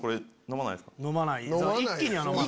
飲まない！